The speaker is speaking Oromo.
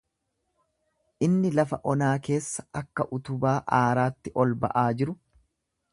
Inni lafa onaa keessaa akka utubaa aaraatti ol ba'aa jiru,